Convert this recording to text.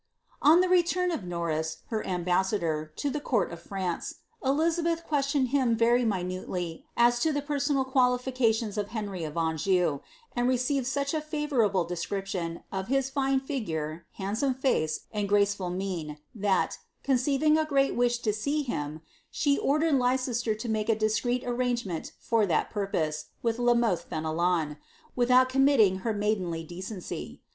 On the return of Norris, her ambassador, to the court of France, Eli zabeth questioned him very minutely as to the personal qualifications of Henry of Anjou ; and received such a favourable description of his fine figure, handsome face, and graceful mien, that, conceiving a great wish to see him, she ordered Leicester to make a discreet arrangement for that purpose with La Mothe Fenelon, without committing her maid enly delicacy.